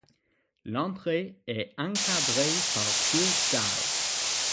L'entrée est encadrée par deux dalles.